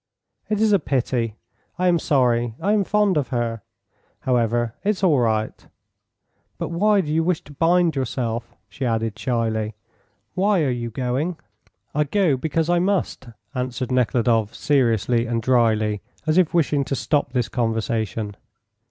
"It is a pity. I am sorry. I am fond of her. However, it's all right. But why do you wish to bind yourself?" she added shyly. "Why are you going?" "I go because I must," answered Nekhludoff, seriously and dryly, as if wishing to stop this conversation.